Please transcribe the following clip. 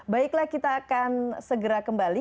baiklah kita akan segera kembali